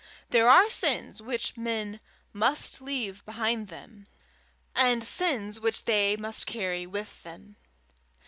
There are sins which men must leave behind them, and sins which they must carry with them.